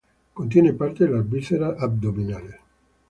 Contiene parte de las vísceras abdominales.